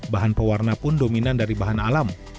bahan pewarna pun dominan dari bahan alam